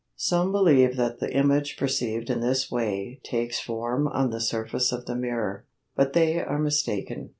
Some believe that the image perceived in this way takes form on the surface of the mirror, but they are mistaken.